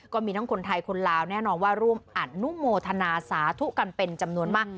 ก็มีทั้งคนไทยคนลาวแน่นอนว่าร่วมอนุโมทนาสาธุกันเป็นจำนวนมาก